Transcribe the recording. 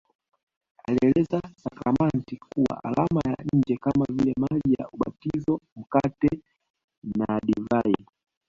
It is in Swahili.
Alieleza sakramenti kuwa alama ya nje kama vile maji ya ubatizopia mkate nadivai